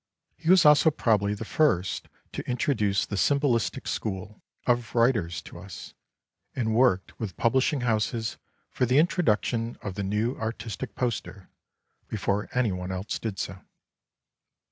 He was also probably the first to introduce the symbolistic school of writers to us, and worked with publishing houses for the introduction of the new artistic poster before anyone else did so.